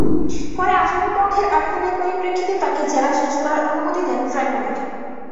পরে আসামিপক্ষের আবেদনের পরিপ্রেক্ষিতে তাঁকে জেরা শেষ করার অনুমতি দেন ট্রাইব্যুনাল।